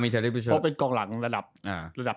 เพราะเป็นกองหลังระดับ